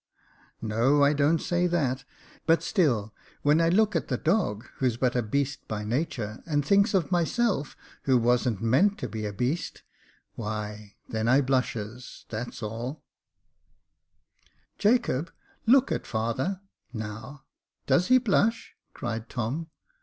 " No, I don't say that ; but still, when I look at the dog, who's but a beast by nature, and thinks of myself who wasn't meant to be a beast, why, then I blushes, that's all." Jacob Faithful 123 Jacob, look at father — now, does he blush ?" cried Tom.